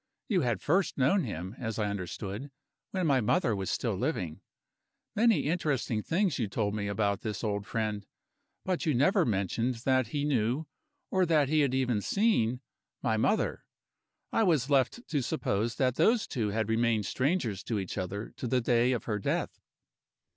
You had first known him, as I understood, when my mother was still living. Many interesting things you told me about this old friend, but you never mentioned that he knew, or that he had even seen, my mother. I was left to suppose that those two had remained strangers to each other to the day of her death.